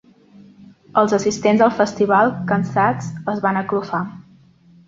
Els assistents al festival, cansats, es van aclofar.